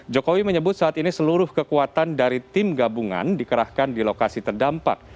jokowi menyebut saat ini seluruh kekuatan dari tim gabungan dikerahkan di lokasi terdampak